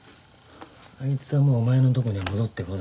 あいつはもうお前のとこには戻ってこないよ。